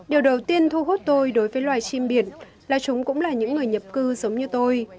điều đầu tiên thu hút tôi đối với loài chim biển là chúng cũng là những người nhập cư giống như tôi